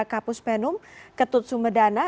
kapus penum ketut sumedana